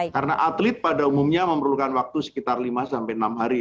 karena atlet pada umumnya memerlukan waktu sekitar lima sampai enam hari